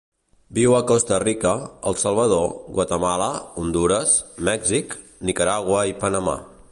Viu a Costa Rica, El Salvador, Guatemala, Hondures, Mèxic, Nicaragua i Panamà.